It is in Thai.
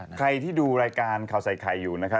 ใครที่ดูรายการข่าวใส่ไข่อยู่นะคะ